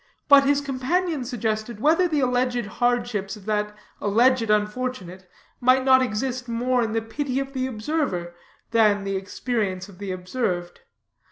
But his companion suggested whether the alleged hardships of that alleged unfortunate might not exist more in the pity of the observer than the experience of the observed.